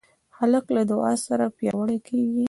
هلک له دعا سره پیاوړی کېږي.